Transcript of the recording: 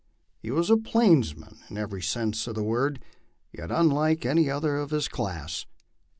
He was a Plains man in every sense of the word, yet unlike any other of his class.